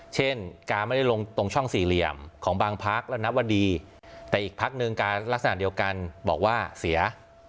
เช่นการไม่ได้ลงตรงช่องสี่เหลี่ยมของบางพักแล้วนับว่าดีแต่อีกพักหนึ่งการลักษณะเดียวกันบอกว่าเสีย